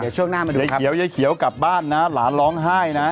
ช่วงหน้ามาดูยายเขียวยายเขียวกลับบ้านนะหลานร้องไห้นะ